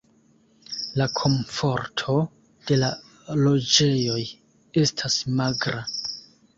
La komforto de la loĝejoj estas magra.